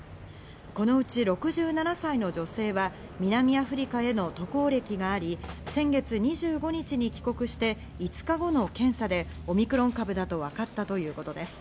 このうち６７歳の女性は南アフリカへの渡航歴があり、先月２５日に帰国して５日後の検査でオミクロン株だとわかったということです。